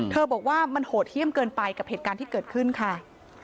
บอกว่ามันโหดเยี่ยมเกินไปกับเหตุการณ์ที่เกิดขึ้นค่ะ